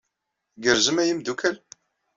Tgerrzem a imeddukal?